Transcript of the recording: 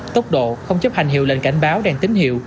tốc độ không chấp hành hiệu lệnh cảnh báo đèn tín hiệu